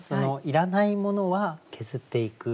いらないものは削っていく。